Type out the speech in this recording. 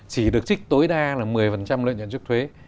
chỉ được trích tối đa là một mươi lợi nhuận trước thuế